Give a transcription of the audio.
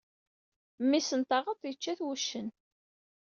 Mmi-s n taɣaḍt, yečča-t wuccen.